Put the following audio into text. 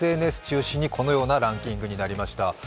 ＳＮＳ中心に、このようなランキングになりました。